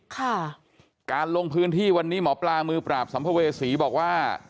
ค่ะการลงพื้นที่วันนี้หมอปลามือปราบสัมภเวษีบอกว่า